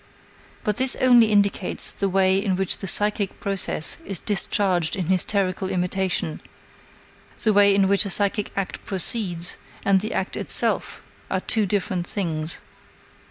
But this only indicates the way in which the psychic process is discharged in hysterical imitation; the way in which a psychic act proceeds and the act itself are two different things.